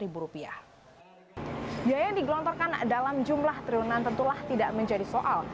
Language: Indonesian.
biaya yang digelontorkan dalam jumlah triliunan tentulah tidak menjadi soal